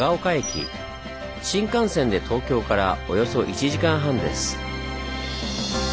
新幹線で東京からおよそ１時間半です。